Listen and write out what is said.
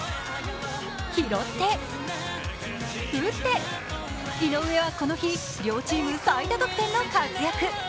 拾って、打って、井上はこの日両チーム最多得点の活躍。